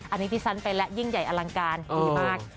อันนี้ที่ฉันไปแล้วยิ่งใหญ่อลังการดีมาก